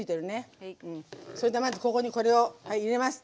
それでまずここにこれを入れます。